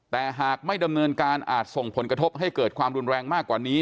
แต่หากไม่ดำเนินการอาจส่งผลกระทบให้เกิดความรุนแรงมากกว่านี้